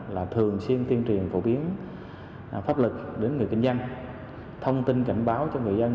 là thường xuyên tuyên truyền phổ biến pháp lực đến người kinh doanh thông tin cảnh báo cho người dân